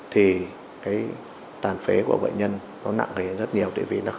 thì tàn phế của bệnh nhân nó nặng rất nhiều